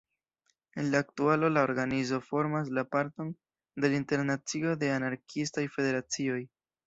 En la aktualo la organizo formas parton de la Internacio de Anarkiistaj Federacioj.